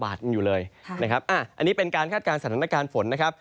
อันนี้เป็นการคาดการณ์สถานการณ์ฝนนะครับ